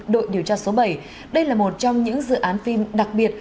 đội điều tra số bảy đây là một trong những dự án phim đặc biệt